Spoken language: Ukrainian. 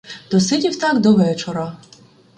Досидів так до вечора.